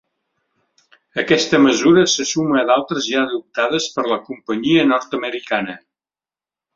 Aquesta mesura se suma a d’altres ja adoptades per la companyia nord-americana.